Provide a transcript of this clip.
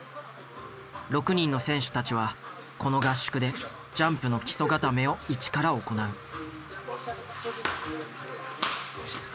６人の選手たちはこの合宿でジャンプの基礎固めを一から行う。